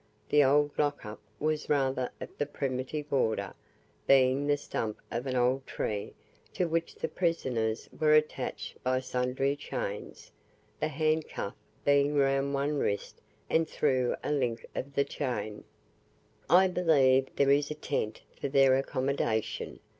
The old lock up was rather of the primitive order, being the stump of an old tree, to which the the prisoners were attached by sundry chains, the handcuff being round one wrist and through a link of the chain. I believe there is a tent for their accommodation.